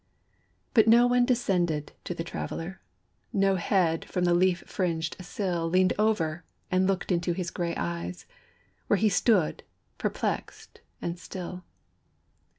But no one descended to the Traveler; No head from the leaf fringed sill Leaned over and looked into his gray eyes, Where he stood perplexed and still.